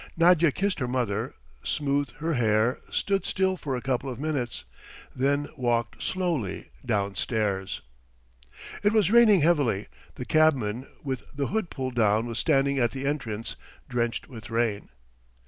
Nadya kissed her mother, smoothed her hair, stood still for a couple of minutes ... then walked slowly downstairs. It was raining heavily. The cabman with the hood pulled down was standing at the entrance, drenched with rain.